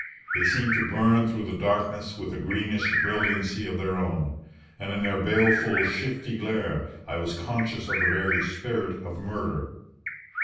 They seemed to burn through the darkness with a greenish brilliancy of their own; and in their baleful, shifty glare I was conscious of the very spirit of murder.